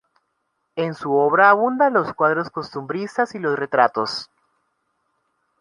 En su obra abundan los cuadros costumbristas y los retratos.